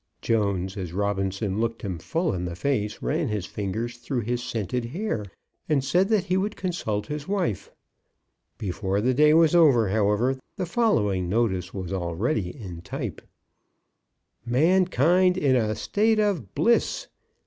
Jones, as Robinson looked him full in the face, ran his fingers through his scented hair, and said that he would consult his wife. Before the day was over, however, the following notice was already in type: MANKIND IN A STATE OF BLISS!